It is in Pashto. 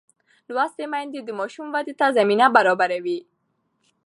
لوستې میندې د ماشوم ودې ته زمینه برابروي.